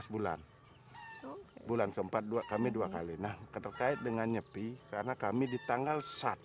sebelas bulan bulan keempat dua kami dua kali nah keterkait dengan nyepi karena kami di tanggal